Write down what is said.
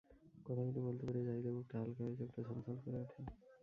কথাগুলো বলতে পেরে জাহিদের বুকটা হালকা হয়ে চোখটা ছলছল করে ওঠে।